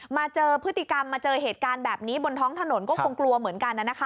มาเจอพฤติกรรมมาเจอเหตุการณ์แบบนี้บนท้องถนนก็คงกลัวเหมือนกันนะคะ